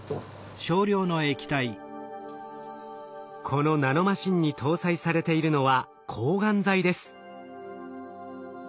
このナノマシンに搭載されているのは抗がん剤です。